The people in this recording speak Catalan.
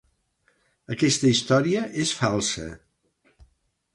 Aquesta història és falsa.